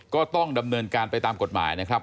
ก็ต้องดำเนินการไปตามกฎหมายนะครับ